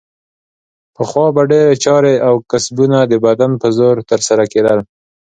پخوا به ډېرې چارې او کسبونه د بدن په زور ترسره کیدل.